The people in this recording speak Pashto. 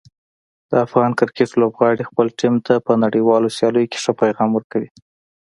د افغان کرکټ لوبغاړي خپل ټیم ته په نړیوالو سیالیو کې ښه پیغام ورکوي.